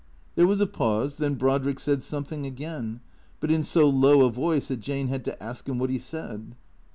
There was a pause, then Brodrick said something again, but in so low a voice that Jane had to ask him what he said.